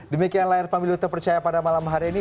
demikian layar pemilu terpercaya pada malam hari ini